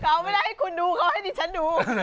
เขาไม่ได้ให้คุณดูเขาให้ดิฉันดู